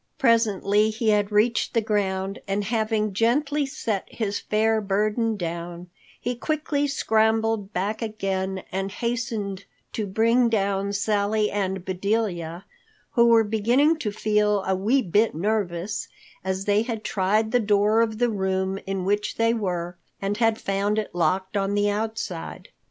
Presently he had reached the ground and having gently set his fair burden down, he quickly scrambled back again and hastened to bring down Sally and Bedelia, who were beginning to feel a wee bit nervous as they had tried the door of the room in which they were and had found it locked on the outside.